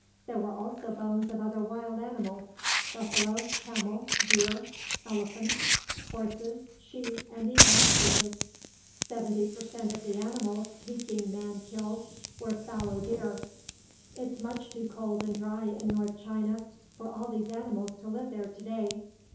There were also bones of other wild animals: buffalo, camel, deer, elephants, horses, sheep, and even ostriches. Seventy per cent of the animals Peking man killed were fallow deer. It's much too cold and dry in north China for all these animals to live there today.